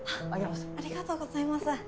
ありがとうございます。